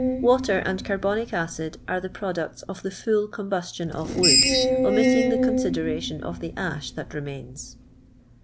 Watvr and carbonic acid are the products ot the full combustion of wo id, omitting the coo sidemtion of the a«h tnat remains.